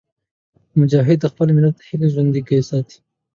مجاهد د خپل ملت هیلې ژوندي ساتي.